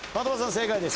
正解です。